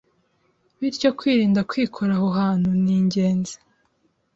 bityo kwirinda kwikora aho hantu ni ingenzi.